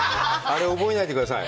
あれ、覚えないでください。